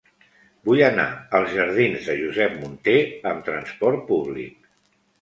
Vull anar als jardins de Josep Munté amb trasport públic.